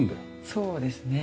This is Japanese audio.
そうですね。